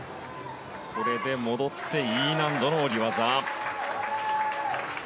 戻って、Ｅ難度の下り技。